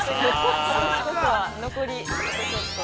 残りで、ちょっと。